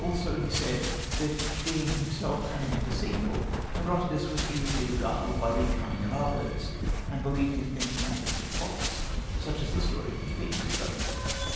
Also he said that, being himself cunning and deceitful, Herodotus was easily beguiled by the cunning of others, and believed in things manifestly false, such as the story of the Phoenix bird.